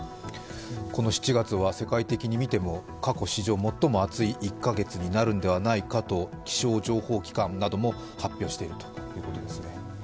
この７月は世界的に見ても過去史上最も暑い１か月になるんではないかと、気象情報機関なども発表しているということです。